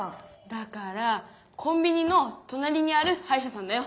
だからコンビニのとなりにあるはいしゃさんだよ。